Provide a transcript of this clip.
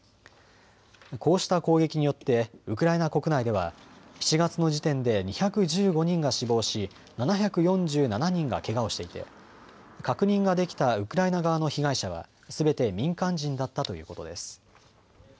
こうした攻撃によってウクライナ国内では７月の時点で２１５人が死亡し７４７人がけがをしていて確認ができたウクライナ側の被害者はすべて民間人だったということです。